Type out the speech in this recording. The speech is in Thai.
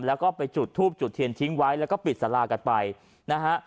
แล้วก็ไปจุดทูบจุดเทียนทิ้งไว้แล้วก็ปิดสารากันไปนะฮะ